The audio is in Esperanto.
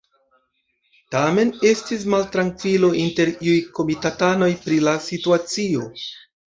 Tamen estis maltrankvilo inter iuj komitatanoj pri la situacio.